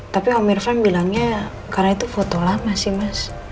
tapi umirvan bilangnya karena itu foto lama sih mas